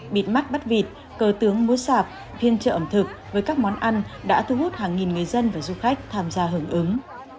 bịt mắt bắt vịt cơ tướng mua sạp phiên trợ ẩm thực với các món ăn đã thu hút hàng nghìn người dân và du khách tham gia hưởng ứng